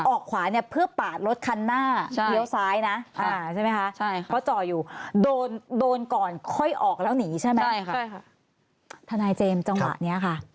ออกขวาเนี่ยเพื่อปาดรถคันหน้า